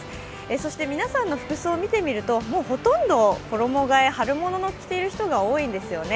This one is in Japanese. そして、皆さんの服装を見てみますと、衣がえ、春物を着ている人が多いんですよね。